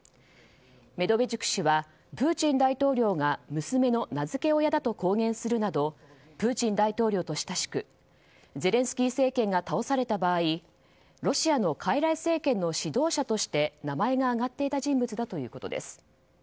メドベチュク氏はプーチン大統領が娘の名付け親だと公言するなどプーチン大統領と親しくゼレンスキー政権が倒された場合ロシアの傀儡政権の指導者として名前が挙がっていた人物だということです。